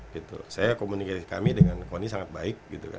karena komunikasi kami dengan kony sangat baik